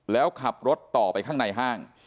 แล้วขับรถต่อไปข้างในห้าง